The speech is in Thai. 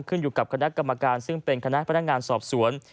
ขึ้นอยู่กับคณะกรรมการซึ่งเป็นคณะพนักงานสอบสวน